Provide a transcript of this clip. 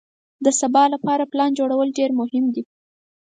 د سبا لپاره پلان جوړول ډېر مهم دي.